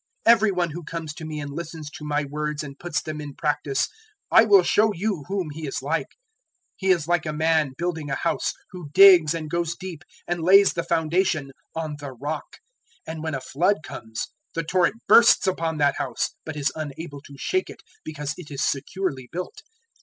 006:047 Every one who comes to me and listens to my words and puts them in practice, I will show you whom he is like. 006:048 He is like a man building a house, who digs and goes deep, and lays the foundation on the rock; and when a flood comes, the torrent bursts upon that house, but is unable to shake it, because it is securely built.